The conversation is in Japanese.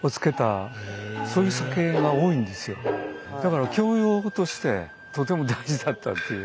だから教養としてとても大事だったっていう。